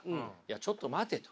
ちょっと待てと。